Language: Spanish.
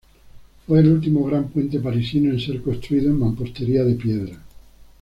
Fue el último gran puente parisino en ser construido en mampostería de piedra.